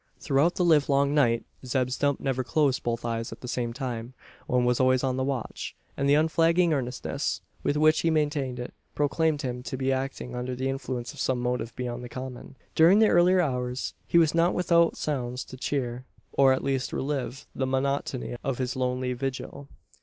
Throughout the live long night Zeb Stump never closed both eyes at the same time. One was always on the watch; and the unflagging earnestness, with which he maintained it, proclaimed him to be acting under the influence of some motive beyond the common. During the earlier hours he was not without sounds to cheer, or at least relieve, the monotony of his lonely vigil.